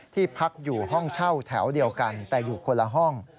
ที่พักอยู่ห้องเช่าแถวเดียวกันแต่อยู่คนละห้อง